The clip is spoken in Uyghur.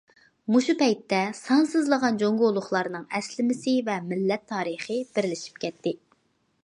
مۇشۇ پەيتتە، سانسىزلىغان جۇڭگولۇقلارنىڭ ئەسلىمىسى ۋە مىللەت تارىخى بىرلىشىپ كەتتى.